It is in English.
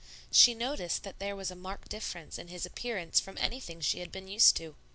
She noticed that there was a marked difference in his appearance from anything she had been used to.